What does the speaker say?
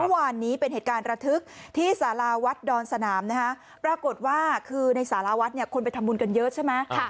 เมื่อวานนี้เป็นเหตุการณ์ระทึกที่สาราวัดดอนสนามนะฮะปรากฏว่าคือในสารวัฒน์เนี่ยคนไปทำบุญกันเยอะใช่ไหม